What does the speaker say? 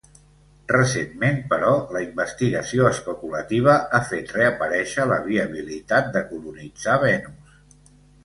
Recentment però, la investigació especulativa ha fet reaparèixer la viabilitat de colonitzar Venus.